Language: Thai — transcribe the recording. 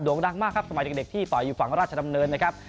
ดังมากครับสมัยเด็กที่ต่อยอยู่ฝั่งราชดำเนินนะครับ